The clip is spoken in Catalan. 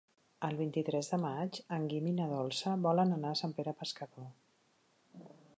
El vint-i-tres de maig en Guim i na Dolça volen anar a Sant Pere Pescador.